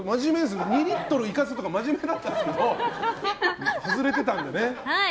２リットルを生かすとか真面目だったんですけど外れだったんですね。